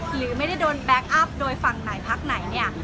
หรือไม่ได้โดนแบ็คอัพโดยฝั่งไหนพักไหนเนี่ย